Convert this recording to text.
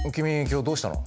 今日どうしたの？